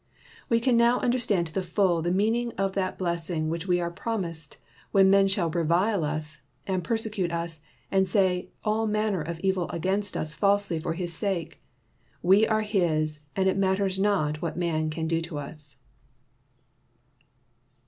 "We now can understand to the full the meaning of that blessing which we are promised when men shall revile us, and per secute us, and shall say all manner of evil against us falsely for His sake. We are His, and it matters not what man can do to us."